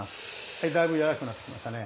だいぶ柔らかくなってきましたね。